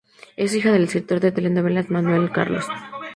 Es la hija del escritor de telenovelas Manoel Carlos.